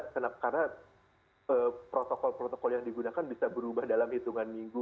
karena protokol protokol yang digunakan bisa berubah dalam hitungan minggu